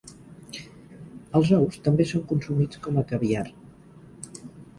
Els ous també són consumits com a caviar.